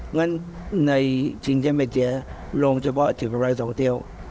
งั้นในชิงชะเบสเชียลงเฉพาะถึงบริสุทธิ์